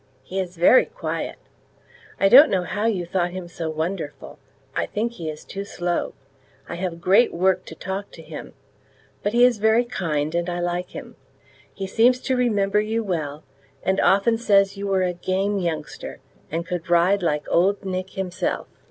He is very quiet. I don't know how you thought him so wonderful. I think he is too slow, I have great work to talk to him, but he is very kind, and I like him. He seems to remember you well, and often says you were a game youngster, and could ride like old Nick himself.